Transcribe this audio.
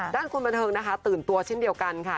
คนบันเทิงนะคะตื่นตัวเช่นเดียวกันค่ะ